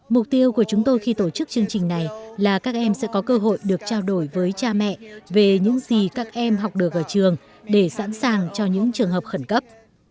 mục tiêu của chúng tôi khi tổ chức chương trình này là các em sẽ có cơ hội được trao đổi với cha mẹ về những gì các em học được ở trường để sẵn sàng cho những trường hợp khẩn cấp